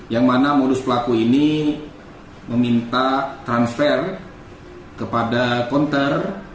yang mana modus pelaku ini meminta transfer kepada konter